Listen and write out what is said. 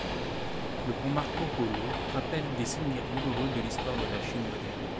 Le pont Marco Polo rappelle des souvenirs douloureux de l'histoire de la Chine moderne.